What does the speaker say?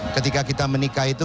ketika kita menikah itu